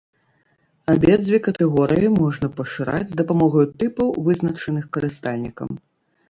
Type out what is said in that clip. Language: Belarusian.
Абедзве катэгорыі можна пашыраць з дапамогаю тыпаў, вызначаных карыстальнікам.